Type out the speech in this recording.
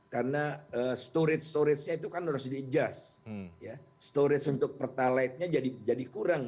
karena storage storage itu kan harus di adjust ya storage untuk pertalaid nya jadi jadi kurang